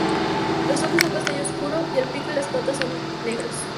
Los ojos son castaño-oscuros y el pico y las patas son negros.